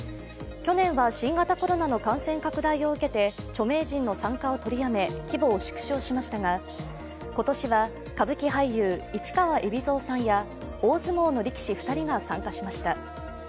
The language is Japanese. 去年は新型コロナの感染拡大を受けて著名人の参加を取りやめ、規模を縮小しましたが、今年は歌舞伎俳優、市川海老蔵さんや大相撲の力士２人が参加しました。